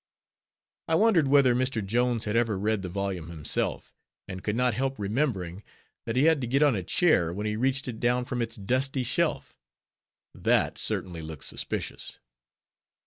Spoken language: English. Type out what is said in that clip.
I wondered whether Mr. Jones had ever read the volume himself; and could not help remembering, that he had to get on a chair when he reached it down from its dusty shelf; that certainly looked suspicious.